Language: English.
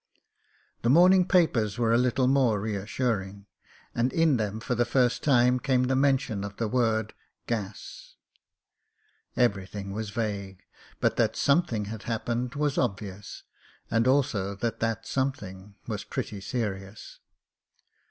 The morning papers were a little more reassuring; and in them for the first time came the mention of the word "gas." Ever)rthing was vague, but that some thing had happened was obvious, and also that that something was pretty serious.